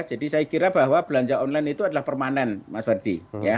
jadi saya kira bahwa belanja online itu adalah permanen mas faddi